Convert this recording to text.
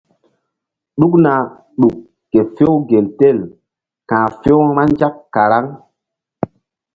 Ɗukna ɗuk ke few gel tel ka̧h few-vba nzak karaŋ.